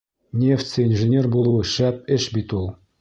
Нефтсе-инженер булыу шәп эш бит ул.